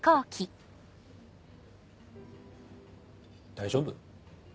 大丈夫？